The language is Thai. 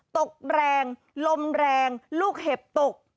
ตกแรงลมแรงลูกเห็บตก